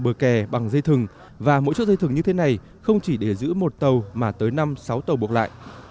bờ kè bằng dây thừng và mỗi chiếc dây thừng như thế này không chỉ để giữ một tàu mà tới năm sáu tàu buộc lại